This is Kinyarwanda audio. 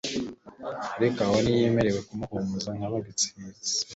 Ariko aho ntiyemerewe kumuhumuriza. Nk'abigishtva be,